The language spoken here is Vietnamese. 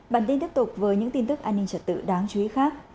bản tin tiếp tục với những tin tức an ninh trật tự đáng chú ý khác